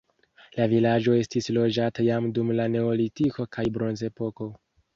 La vilaĝo estis loĝata jam dum la neolitiko kaj bronzepoko.